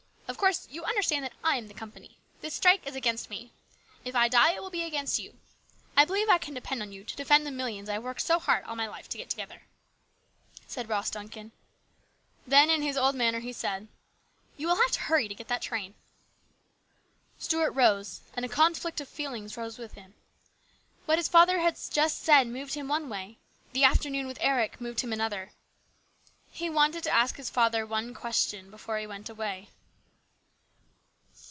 Of course you understand that I am the company. This strike is against me. If I die, it will be against you. I believe I can depend on you to defend the millions I have worked so hard all my life to get together," said Ross Duncan. Then in his old manner he said, " You will have to hurry to get that train." Stuart rose, and a conflict of feelings rose with him. What his father had just said moved him one way ; the afternoon with Eric moved him another. He wanted to ask his father one question before he went away.